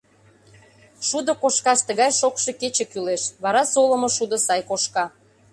— Шудо кошкаш тыгай шокшо кече кӱлеш, вара солымо шудо сай кошка.